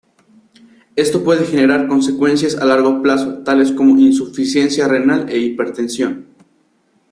Esto puede generar consecuencias a largo plazo tales como insuficiencia renal e hipertensión.